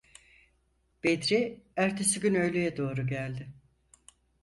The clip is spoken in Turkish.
Bedri ertesi gün öğleye doğru geldi.